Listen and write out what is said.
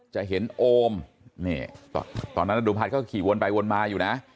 จะเห็นโอมตอนนั้นนาดุพัดเขาขี่วนไปวนมาอยู่นะ